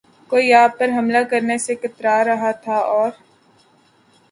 کوئی آپ پر حملہ کرنے سے کترا رہا تھا اور